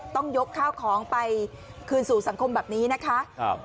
ต้องยกข้าวของไปคืนสู่สังคมแบบนี้นะคะ